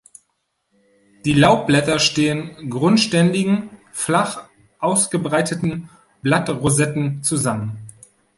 Die Laubblätter stehen grundständigen, flach ausgebreiteten Blattrosetten zusammen.